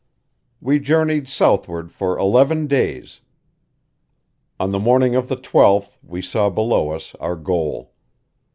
We journeyed southward for eleven days; on the morning of the twelfth we saw below us our goal.